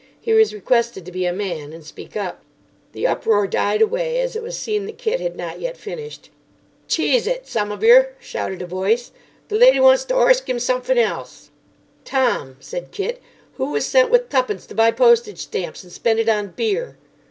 He was requested to be a man and speak up. The uproar died away as it was seen that Kit had not yet finished. "Cheese it, some of yer," shouted a voice. "The lady wants to orsk him somefin' else." "Tom," said Kit, "who was sent with tuppence to buy postage stamps and spent it on beer?"